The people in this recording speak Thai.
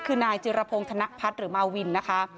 คือนายจิรพงศ์ธนพัฒน์หรือมาวินนะคะ